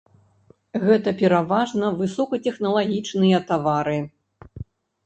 Гэта пераважна высокатэхналагічныя тавары.